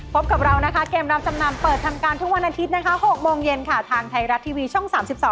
พบกับเรานะคะเกมรับจำนำเปิดทำการทุกวันอาทิตย์นะคะ๖โมงเย็นค่ะทางไทยรัฐทีวีช่อง๓๒